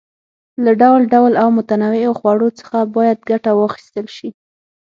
له ډول ډول او متنوعو خوړو څخه باید ګټه واخیستل شي.